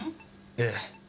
ええ。